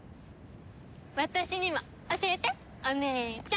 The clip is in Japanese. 私にも教えてお姉ちゃん！